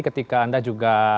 ketika anda juga